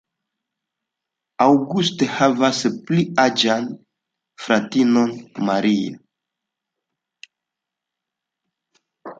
Auguste havas pli aĝan fratinon, Maria.